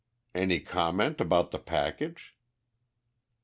"Any comment about the package?"